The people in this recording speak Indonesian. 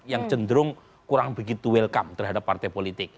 yang cenderung kurang begitu welcome terhadap partai politik